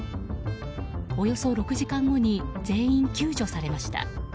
およそ６時間後に全員救助されました。